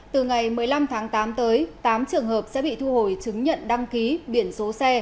từ ngày một mươi năm tháng tám tới tám trường hợp sẽ bị thu hồi chứng nhận đăng ký biển số xe